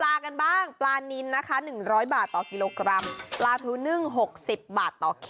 ลาทูนึ่ง๖๐บาทต่อกิโลกรัมค่ะ